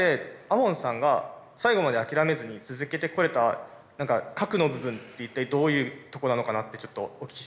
門さんが最後まで諦めずに続けてこれた核の部分って一体どういうとこなのかなってちょっとお聞きしたいです。